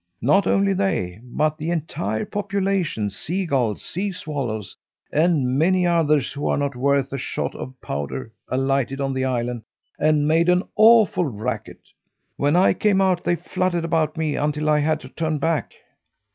Not only they, but the entire population sea gulls, sea swallows, and many others who are not worth a shot of powder, alighted on the island and made an awful racket. When I came out they fluttered about me until I had to turn back.